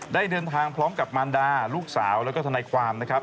ได้เดินทางพร้อมกับมารดาลูกสาวแล้วก็ทนายความนะครับ